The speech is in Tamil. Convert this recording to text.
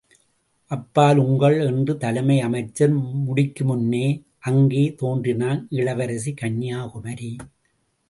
அப்பால் உங்கள்... என்று தலைமை அமைச்சர் முடிக்குமுன்னே, அங்கே தோன்றினான் இளவரசி கன்யாகுமரி!